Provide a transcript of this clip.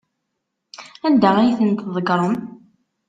Anda ay tent-tḍeggrem?